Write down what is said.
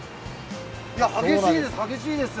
激しいです。